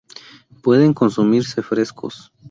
Pueden consumirse frescos.